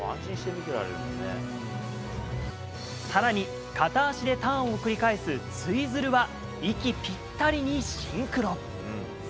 さらに片足でターンを繰り返すツイズルは息ぴったりにシンクロ。